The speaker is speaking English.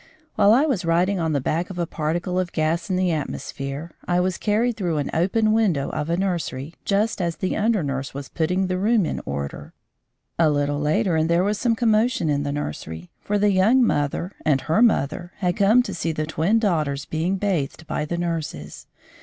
While I was riding on the back of a particle of gas in the atmosphere, I was carried through the open window of a nursery just as the under nurse was putting the room in order. A little later there was some commotion in the nursery, for the young mother and her mother had come to see the twin daughters being bathed by the nurses.